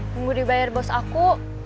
tunggu dibayar bos aku